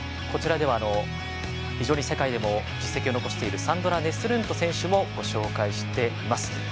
こちらでは、非常に世界でも実績を残しているサンドラ・ネスルント選手も紹介しています。